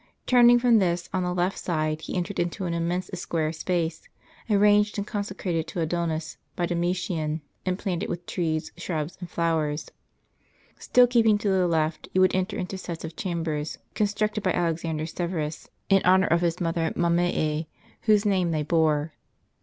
Turning from this, on the left side, he entered into an immense square space, arranged and consecrated to Adonis by Domitian, and planted with trees, shrubs, and flowers. Still keeping to the left, you would enter into sets of chambers, constructed by Alexander Severus in honor of his |,|]!l{j||]||i|||jj||||||lll|)|^^ illl'i'liliiilliiiliili!!! mother Mammsea, whose name they bore.